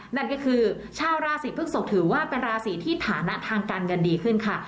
นั่นก็คือชาวราศีพฤกษกถือว่าเป็นราศีที่ฐานะทางการเงินดีขึ้นค่ะ